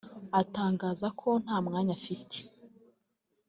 atangaza ko nta mwanya afite